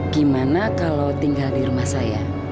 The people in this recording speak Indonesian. gimana kalau tinggal di rumah saya